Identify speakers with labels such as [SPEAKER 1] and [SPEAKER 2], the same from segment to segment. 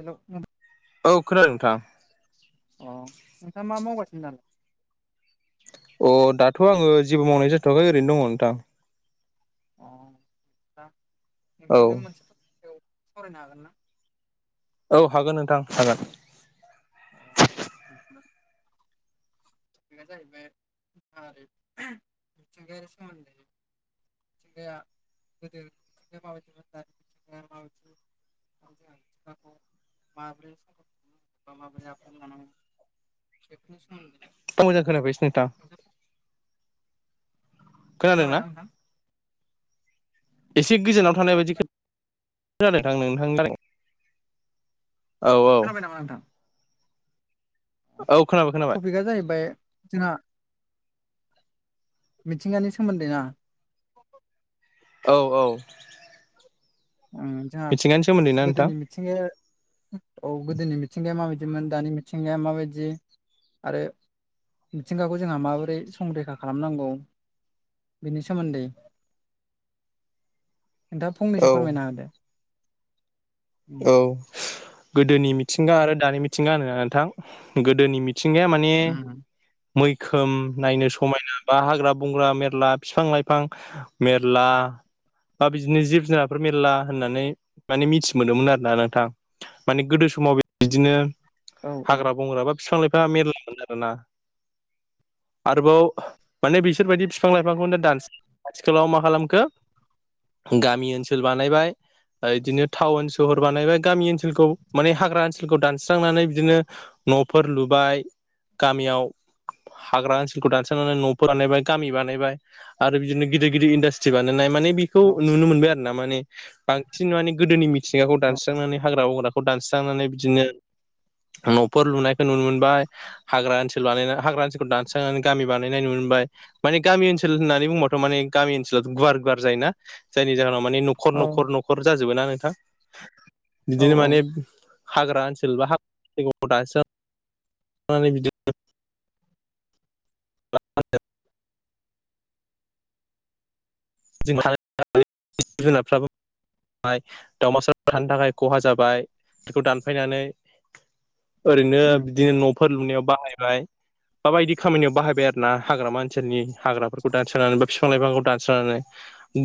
[SPEAKER 1] Hello
[SPEAKER 2] औ खोनादों नोंथां।
[SPEAKER 1] अ नोंथाङा मा मावगासिनो दालाय?
[SPEAKER 2] अ दाथ' आङो जेबो मावनाय जाथ'वाखै ओरैनो दङ नोंथां।
[SPEAKER 1] अ दा
[SPEAKER 2] औ
[SPEAKER 1] नोंथांजों मोनसे [inaudible] सावरायनो हागोन ना?
[SPEAKER 2] औ हागोन नोंथां हागोन।
[SPEAKER 1] अ टपिकआ जाहैबाय [inaudible] मिथिंगायारि सोमोन्दै मिथिंगाया गोदो मिथिंगाया माबादिमोन दानि मिथिंगाया माबादि। [inaudible] माबोरै साफा खालामनांगौ बा माबोरै [inaudible] लानांगौ। बेफोरनि सोमोन्दै
[SPEAKER 2] मोजां खोनाफैयासै नोंथां। खोनादोंना
[SPEAKER 1] खोनाबायना नोंथां
[SPEAKER 2] एसे गोजानाव
[SPEAKER 1] औ
[SPEAKER 2] थानाय बायदि
[SPEAKER 1] खोनादों
[SPEAKER 2] [unintelligible] औ औ
[SPEAKER 1] खोनाबाय नामा नोंथां?
[SPEAKER 2] औ खोनाबाय गोनां
[SPEAKER 1] टपिकआ जाहैबाय जोंहा मिथिंगानि सोमोन्दै ना।
[SPEAKER 2] औ औ।
[SPEAKER 1] उम जोंहा
[SPEAKER 2] मिथिंगानि सोमोन्दै ना नोंथां
[SPEAKER 1] गोदोनि मि मिथिंगाया औ गोदोनि मिथिंगाया माबायदिमोन दानि मिथिंगाया माबायदि आरो मिथिंगाखौ जोंहा माबोरै संरैखा खालामनांगौ बेनि सोमोन्दै नोंथाङा
[SPEAKER 2] औ
[SPEAKER 1] फंनैसो फोरमायना होदो? उम
[SPEAKER 2] औ गोदोनि मिथिंगा आरो दानि मिथिंगा [unintelligible] नोंथां गोदोनि मिथिंगाया मा नि मैखोम नायनो समायना बा हाग्रा बंग्रा मेरला बिफां लाइफां मेरला बा बिदिनो जिब जुनारफोर मेरला होननानै माने मिथि मोनदोंमोन आरोना नोंथां माने गोदो समाव बिदिनो
[SPEAKER 1] औ
[SPEAKER 2] हाग्रा बंग्रा बा बिफां लाइफांआ मेरलामोन आरोना। आरोबाव माने बिसोरबायदि बिफां लाइफांनो दान्स आथिखालाव मा खालामखो गामि ओनसोल बानायबाय इदिनो टाउन सोहर बानायबाय गामि ओनसोलखौ माने हाग्रा ओनसोलखौ दानस्रांनानै बिदिनो न'फोर लुबाय गामियाव हाग्रा ओनसोलखौ दानसनानै न'फोर बानायबाय गामि बानायबाय। आरो बिदिनो गिदिर गिदिर इन्डास्ट्रि बानायनाय माने बे खौ
[SPEAKER 1] औ
[SPEAKER 2] नुनो मोनबाय आरो ना माने बांसिन माने गोदोनि मिथिंगाखौ
[SPEAKER 1] औ
[SPEAKER 2] दानस्रांनानै हाग्रा बंग्राख खौ दानस्रांनानै बिदिनो न'फोर लुनायखौ नुनो मोनबाय। हाग्रा ओनसोल [unintelligible] हाग्रा ओनसोलखौ दानस्रांनानै गामि बानायनाय नुनो मोनबाय। माने गामि ओनसोल होननानै बुंबाथ' माने गामि ओनसोलाथ' गुवार गुवार जायोना? जायनि जाहोनाव माने न'खर न'खर न'खर जाजोबो ना नोंथां।
[SPEAKER 1] औ
[SPEAKER 2] बिदिनो माने हाग्रा ओनसोल बा [inaudible] [inaudible] जों जोनारफ्राबो दाावमासा दानो थाखाय खहा जाबाय बेखौ दानफायनानै ओरैनो बिदिनो न'फोर लुनायाव बाहायबाय। बा बायदि खामानियाव बाहायबाय आरो ना हाग्रामा ओनसोलनि हाग्राफोरखौ दानस्रनानै बा बिफां लाइफांखौ दानस्रांनानै।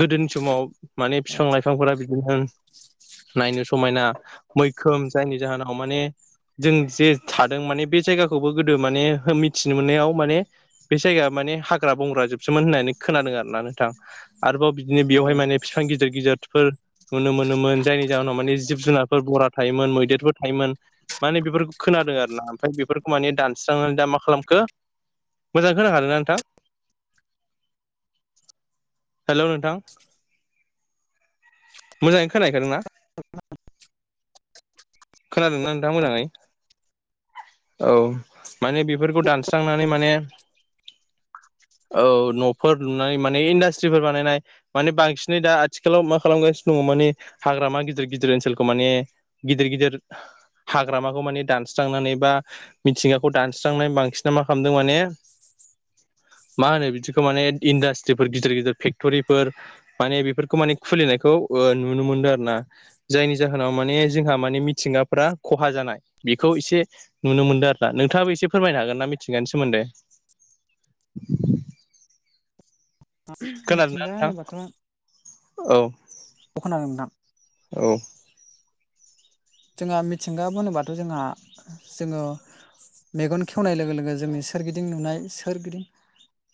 [SPEAKER 2] गोदोनि समाव माने
[SPEAKER 1] औ
[SPEAKER 2] बिफां लाइफांफोरा बिदिनो नायनो समायना मैखोम जायनि जाहोनाव माने जों जे थादों माने बे जायगाखौबो गोदो माने मिथिनो मोननायाव माने बे जायगाया माने हाग्रा बंग्रा जोबसोमोन होननानै खोनादों आरो ना नोंथां आरोबाव बिदिनो
[SPEAKER 1] औ
[SPEAKER 2] बेवहाय माने बिफां गिदिर गिदिरफोर नुनो मोनोमोन। जायनि जाहोनाव मानि जिब जुनारफोर बरा थायोमोन मैदेरफोर थायोमोन। माने बेफोरखौ खोनादो आरो ना ओमफ्राय बेफोरखौ माने दानस्रांनानै दा मा खालामखो मोजांयै खोनाखादों ना नोंथां? हेलौ' नोंथां। मोजाङै खोनाहैखादों ना? खोनादोंना नोंथां मोजाङै औ माने बेफोरखौ दान्स नानै माने औ न'फोर लुनानै माने इन्डास्ट्रिफोर बानायनाय माने बांसिनै दा आथिखालाव मा खालामगासिनो दङ माने हाग्रामा गिदिर गिदिर ओनसोलखौ माने गिदिर गिदिर हाग्रामाखौ मानि दानस्रांनानै बा मिथिंगाखौ दानस्रांनाय बांसिन मा खालामदों माने मा होनो बिदिखौ माने इन्डास्ट्रिफोर गिदिर गिदिर फेक्ट'रिफोर माने बेफोरखौ माने खुलिनायखौ ओ नुनो मोनदों आरो ना। जायनि जाहोनाव माने जोंहा माने मिथिंगाफ्रा खहा जानाय बेखौ एसे नुनो मोनदों आरो ना नोंथाङाबो एसे फोरमायनो हागोन ना मिथिंगानि सोमोन्दै। खोनादों ना
[SPEAKER 1] मिथिंगा होनोबाथ'
[SPEAKER 2] नोंथां औ।
[SPEAKER 1] औ खोनादों नोंथां।
[SPEAKER 2] औ।
[SPEAKER 1] जोंहा मिथिंगा बुङोबाथ' जोंहा जोङो मेगन खेवनाय लोगो लोगो जोंनि सोरगिदिं नुनाय सोरगिदिं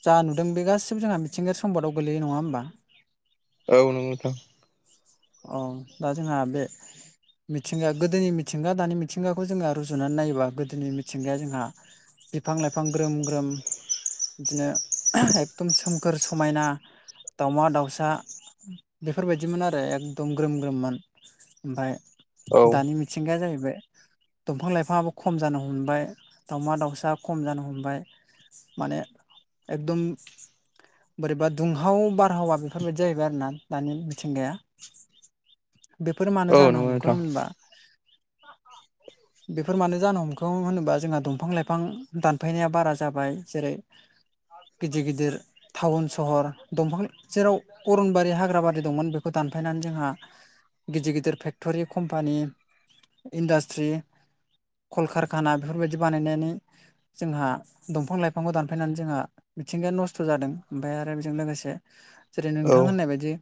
[SPEAKER 1] जा नुदों बे गासिबो जोंहा मिथिंगायारि सम्फद आव गोलैयो नङा होमबा?
[SPEAKER 2] औ नंगौ नोंथां।
[SPEAKER 1] अ दा जोंहा बे मिथिंगा गोदोनि मिथिंगा दानि मिथिंगाखौ जोंङो रुजुनानै नायोबा गोदोनि मिथिंगाया जोंहा बिफां लाइफां ग्रोम ग्रोम। बिदिनो एकदम सोमखोर समायना दाउमा दाउसा बेफोरबायदिमोन आरो एख दम ग्रोम ग्रोममोन ओमफ्राय
[SPEAKER 2] औ
[SPEAKER 1] दानि मिथिंगाया जाहैबाय दंफां लाइफांआबो खम जानो हमबाय दावमा दाउसा खम जानो हमबाय। माने एकदम बोरैबा दुंहाव बारहावा बेफोरबायदि जाहैबाय आरो ना दानि मिथिंगाया। बेफोर मानो
[SPEAKER 2] औ
[SPEAKER 1] जानो
[SPEAKER 2] नंगौ
[SPEAKER 1] हमखो
[SPEAKER 2] नोंथां
[SPEAKER 1] होमबा
[SPEAKER 2] [inaudible]
[SPEAKER 1] बेफोर मानो जानो हमखो होनोबा जोंहा दंफां लाइफां दानफायनाया बारा जाबाय जेरै गिदिर गिदिर टाउन सहर दंफां जेराव अरनबारि हाग्रा बारि दंमोन बेखौ दानफायनानै जोंहा गिदिर गिदिर फेक्टरि कम्पानि। इन्डास्ट्रि कलकारखाना बेफोरबायदि बानायनानै जोंहा दंफां लाइफांखौ दानफायनानै जोंहा मिथिंगाया नस्थ' जादों ओमफ्राय आरो बेजों लोगोसे जेरै
[SPEAKER 2] औ
[SPEAKER 1] नोंथां होननाय बायदि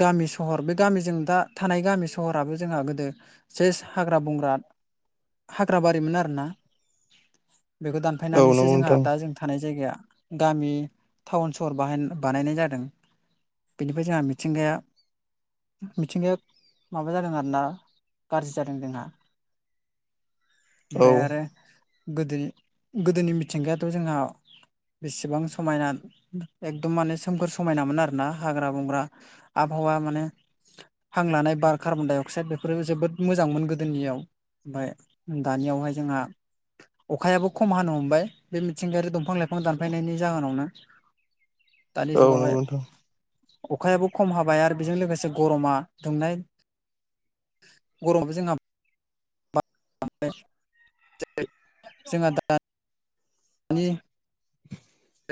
[SPEAKER 1] गामि सहर बे गामिजों दा थानाय गामि सहराबो जोंहा गोदो सेस हाग्रा बंग्रा हाग्रा बारिमोन आरोना बेखौ
[SPEAKER 2] औ
[SPEAKER 1] दानफायनानैसो
[SPEAKER 2] नंगौ
[SPEAKER 1] जोंहा
[SPEAKER 2] नोंथां
[SPEAKER 1] दा जों थानाय जायगाया गामि टाउन सहर बाहाय बानायनाय जादों। बै जोंहा मिथिंगाया मिथिंगाया माबा जादों आरोना गाज्रि जादों जोंहा।
[SPEAKER 2] औ
[SPEAKER 1] ओमफ्राय आरो गोदोनि गोदोनि मिथिंगायाथ' जोंहा बेसेबां समायना एकदम माने सोमखोर समायनामोन आरोना हाग्रा बंग्रा आबहावा माने हां लानाय बार कार्बनदडाइ अक्साइद बेफोरो जोबोद मोजांमोन गोदोनियाव। ओमफ्राय दानियावहाय जोंहा अखायाबो खम हानो हमबाय बे मिथिंगायारि दंफां लाइ फां दानफायनायनि जाहोनावनो दानि
[SPEAKER 2] औ नंगौ
[SPEAKER 1] जुगावहाय।
[SPEAKER 2] नोंथां
[SPEAKER 1] अखायाबो खम हाबाय आरो बेजों लोगोसे गरमा दुंनाय गरमबो जोंहा [unintelligible] जेरै जोंहा दा नि
[SPEAKER 2] [inaudible]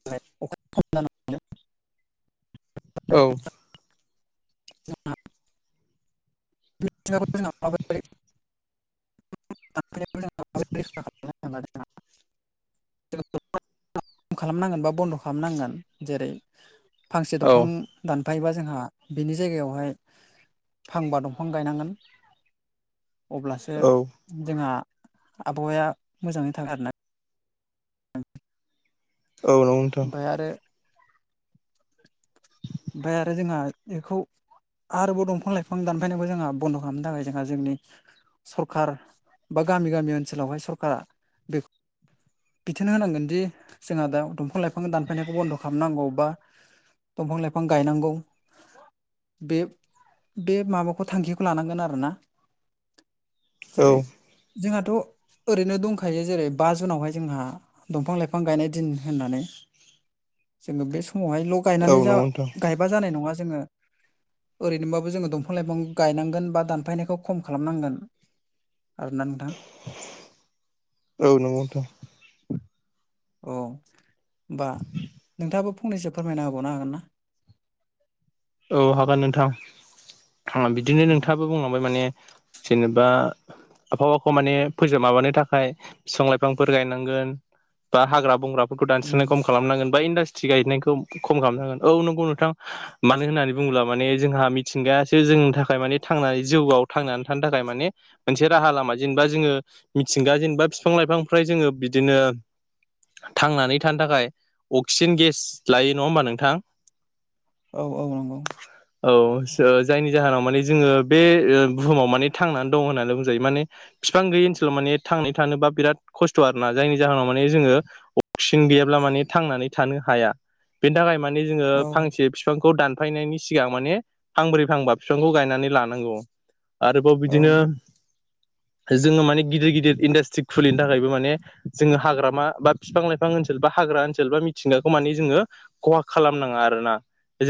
[SPEAKER 1] [unintelligible]
[SPEAKER 2] औ
[SPEAKER 1] [unintelligible] [unintelligible] खालामनांगोन बा बन्द' खालामनांगोन जेरै फांसे
[SPEAKER 2] औ
[SPEAKER 1] दंफां दानफायोबा जोंहा बिनि जायगायावहाय फांबा दंफां गायनांगोन। अब्लासो
[SPEAKER 2] औ
[SPEAKER 1] जोंहा आबहावाया मोजाङै थागोन आरोना।
[SPEAKER 2] औ नंगौ। नोंथां
[SPEAKER 1] ओमफ्राय आरो ओमफ्राय आरो जोंहा बेखौ आरोबाव दंफां लाइफां दानफायनायबो जोंहा बन्द' खालामनो थाखाय जोंहा जोंनि सरखार बा गामि गामि ओनसोलावहाय सरखारा बे बिथोन होनांगोनदिे जोंहा दा दंफां लाइ फां दानफायनायखौ बन्द' खालामनांगौ बा दंफां लाइफां गायनांगौ। बे बे माबाखौ थांखिखौ लानांगोन आरोना।
[SPEAKER 2] औ
[SPEAKER 1] जेरै जोंहाथ' ओरैनो दंखायो जेरै बा जुनावहाय जोंहा दंफां लाइफां गायनाय दिन होननानै। जोङो बे समावहाय ल' गायनानै
[SPEAKER 2] औ नंगौ
[SPEAKER 1] जा
[SPEAKER 2] नोंथां
[SPEAKER 1] गायबा जानाय नङा जोङो ओरैनोबाबो जोङो दंफां लाइफां गायनांगोन बा दानफायनायखौ खम खालामनांगोन। आरोना नोंथा
[SPEAKER 2] औ नंगौथ'
[SPEAKER 1] औ होमबा नोंथाङाबो फंनैसो फोरमायना होबावनो हागोन ना?
[SPEAKER 2] औ हागोन नोंथां बिदिनो नोंथाङाबो बुंलांबाय माने जेनेबा आबहावाखौ माने फोजों माबानो थाखाय बिफां लाइफांफोर गायनांगोन। बा हाग्रा बंग्रा दानस्रांनाय खम
[SPEAKER 1] उम
[SPEAKER 2] खालामनांगोन बा इन्डास्ट्रि गायनायखौ खम खालामनांगोन औ नंगौ नोंथां मानो होननानै बुङोब्ला माने जोंहा मिथिंगायासो जोंनि थाखाय माने थांनानै जिउआव थांनानै थानो थाखाय माने मोनसे राहा लामा जेनेबा जोङो मिथिंगा जेनेबा बिफां लाइफांनि फ्राय जोङो बिदिनो थांनानै थानो थाखाय अक्सिजेन गेस लायो नङा होमबा नोंथां।
[SPEAKER 1] औ औ नंगौ
[SPEAKER 2] औ जों जायनि जाहोनाव माने जोङो बे बुहुमाव माने थांनानै दं होननानै बुंजायो माने बिफां गैयै ओनसोलाव माने थांनानै थानोबा बिराद खस्थ' आरोना जायनि जाहोनाव माने जोङो अक्सिजेन गैयाब्ला माने थांनानै थानो हाया बेनि थाखाय माने जोङो
[SPEAKER 1] औ
[SPEAKER 2] फांसे बिफांखौ दानफायनायनि सिगां माने फांब्रै फांबा बिफांखौ गायनानै लानांगौ आरोबाव
[SPEAKER 1] औ
[SPEAKER 2] बिदिनो जोङो माने गिदिर गिदिर इन्डास्ट्रि खुलिनो थाखायबो माने जोङो हाग्रामा बा बिफां लाइफां ओनसोल बा हाग्रा ओनसोल बा मिथिंगाखौ मानि जोङो खहा खालामनाङा आरो ना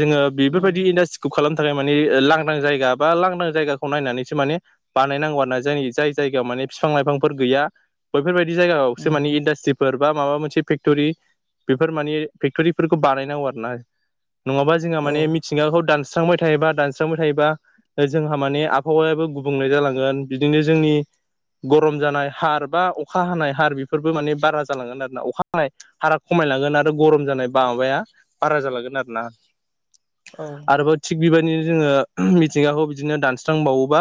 [SPEAKER 2] जोङो बेफोरबायदि
[SPEAKER 1] उम
[SPEAKER 2] इडास्ट्रि खालामनो थाखाय माने लांदां जायगा बा लांदां जायगाखौ नायनानैसो माने बानायनांगौ आरो ना जोंनि जाय जायगायाव माने बिफां लाइफांफोर गैया बैफोरबायदि जायगायावसो मानि
[SPEAKER 1] उम
[SPEAKER 2] इडासट्रि फोर बा माबा मोनसे फेक्ट'रि बेफोर माने फेक्ट'रिफोरखौ बानायनांगौ आरो ना नङाबा जोंहा
[SPEAKER 1] औ
[SPEAKER 2] माने मिथिंगाखौ दानस्रांबाय थायोबा दानस्रांबाय थायोबा जोंहा माने आबहावायाबो गुबुंले जालांगोन बिदिनो जोंनि गरम जानाय हार बा अखा हानाय हार बेफोरबो माने बारा जालांगोन आरो ना अखा हानाय हारा खमायलांगोन आरो गरम जानाय माबाया बारा जाालांगोन आरो ना
[SPEAKER 1] औ
[SPEAKER 2] आरोबा थिग बेबायदिनो जोङो मिथिंगाखौ बिदिनो दानस्रांबावोबा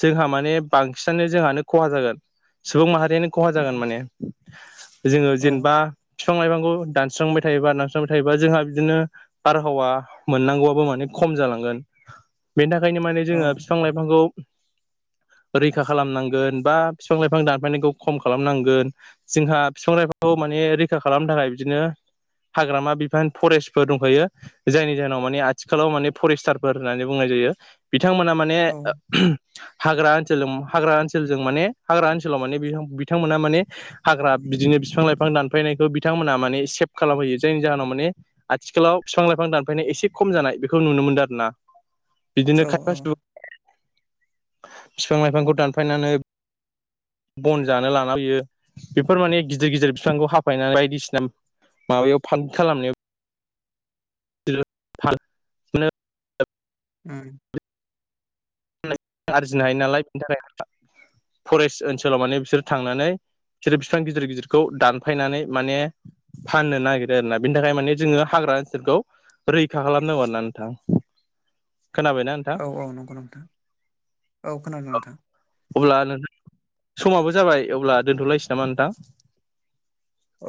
[SPEAKER 2] जोंहा माने बांसिनानो जोंहानो खहा जागोन सुबुं माहारियानो खहा जागोन
[SPEAKER 1] उम
[SPEAKER 2] माने जोङो
[SPEAKER 1] औ
[SPEAKER 2] जेनेबा बिफां लाइफांखौ दानस्रांबाय थायोबा दानस्रांबाय थायोबा जोंहा बिदिनो बारहावा मोननांगौआबो माने खम जालांगोन बेनि थाखायनो माने
[SPEAKER 1] औ
[SPEAKER 2] जोङो बिफां लाइफांखौ रैखा खालामनांगोन बा बिफां लाइफां दानफायनायखौ खम खालामनांगोन जोंहा बिफां लाायफांखौ माने रैखा खालामनो थाखाय बिदिनो हाग्रामा बिफान फरेस्टफोर दंखायो जायनि जाहोनाव माने आथिखालाव माने फरेस्टारफोर होननानै बुंनाय जायो बिथांमोना माने
[SPEAKER 1] औ
[SPEAKER 2] हाग्रा ओनसोलजों हाग्रा ओनसोलजों माने हाग्रा ओनसोलाव माने बिथांमोना माने हाग्रा बिदिनो बिफां लाइफां दानफायनायखौ बिथांमोना माने सेभ खालामहैयो जायनि जाहोनाव माने आथिखालाव बिफां लाइफां दानफायनाय एसे खम जानाय बेखौ नुनो मोन्दों आर ना बिदिनो
[SPEAKER 1] औ
[SPEAKER 2] खायफा बिफां लाइफांखौ दानफायनानै बन जानो लाना फैयो बेफोर माने गिदिर गिदिर बिफांखौ हाफायनानै बायदिसिना माबायाव फां खालामनायाव [unintelligible]
[SPEAKER 1] ओम
[SPEAKER 2] आरजिनो हायो नालाय बेनि थाखाय फरेस्ट ओनसोलाव माने बिसोर थांनानै बिसोर बिफां गिदिर गिदिरखौ दानफायनानै माने फाननो नागिरो आरोना बिनि थाखाय माने जोङो हाग्रा ओनसोलखौ रैखा खालामनांगौ आरो ना नोंथां खोनाबायना नोंथां
[SPEAKER 1] औ औ नंगौ नोंथां औ खोनादों नोंथां
[SPEAKER 2] अब्ला नोंथ समाबो जाबाय अब्ला दोनथ'लायसै नामा नोंथां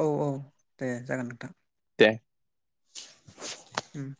[SPEAKER 1] औ औ दे जागोन नोंथां
[SPEAKER 2] ऐ
[SPEAKER 1] ओम